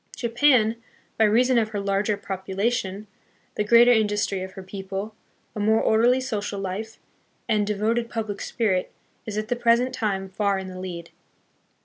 Japan, by reason of her larger population, the greater industry of her people, a more orderly social life, and devoted public spirit, is at the present time far in the lead.